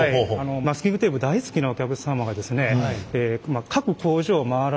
マスキングテープ大好きなお客様がですね